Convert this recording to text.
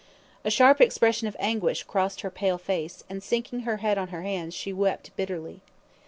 A sharp expression of anguish crossed her pale face, and, sinking her head on her hands, she wept bitterly.